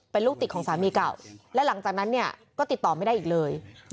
เป็นลูกติดของสามีเก่าและหลังจากนั้นเนี่ยก็ติดต่อไม่ได้อีกเลย